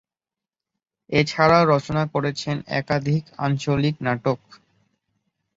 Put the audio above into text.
এছাড়াও রচনা করেছেন একাধিক আঞ্চলিক নাটক।